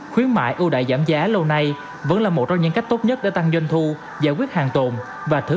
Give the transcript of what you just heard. khuyến mãi ưu đại giảm giá lâu nay vẫn là một trong những cách tốt nhất để tăng danh thu